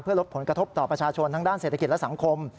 ลดผลกระทบต่อประชาชนทั้งด้านเศรษฐกิจและสังคม